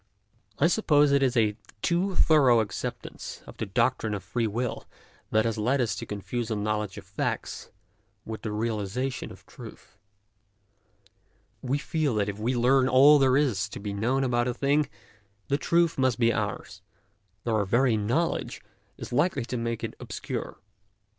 I suppose it is a too thorough acceptance of the doctrine of free will that has led us to confuse a knowledge of facts with the realization of truth. We feel that if we learn all that there is to be known about a thing, the truth must be ours, though our very knowledge is likely to make it obscure.